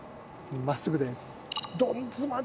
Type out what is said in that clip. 真っすぐです。